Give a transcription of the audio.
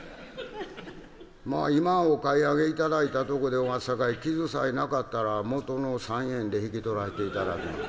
まあ今お買い上げ頂いたとこでおますさかい傷さえなかったらもとの３円で引き取らして頂きます」。